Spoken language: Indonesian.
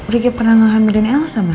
ricky pernah ngehamilin elsa mas